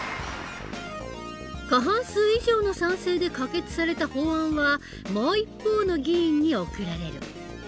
過半数以上の賛成で可決された法案はもう一方の議員に送られる。